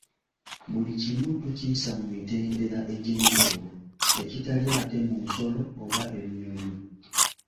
Buli kimu tukiyisa mu mitendera egy'enjawulo, ekitali ate mu nsolo oba ebinnyonyi.